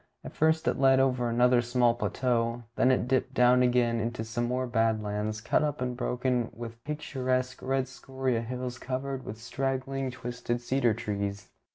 At first it led over another small plateau, then it dipped down again into some more bad lands, cut up and broken with picturesque red scoria hills covered with straggling twisted cedar trees.